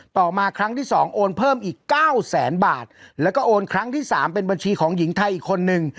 ต่อมาครั้งที่สองโอนเพิ่มอีกเก้าแสนบาทแล้วก็โอนครั้งที่สามเป็นบัญชีของหญิงไทยอีกคนนึง